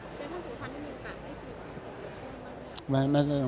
คุณภูมิท่านไม่ได้มีโอกาสพบกับท่าน